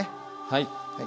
はい。